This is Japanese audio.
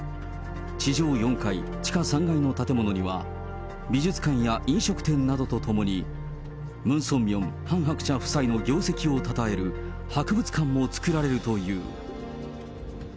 地上４階、地下３階の建物には、美術館や飲食店などと共に、ムン・ソンミョン、ハン・ハクチャ夫妻の業績をたたえる博物館も作られるという。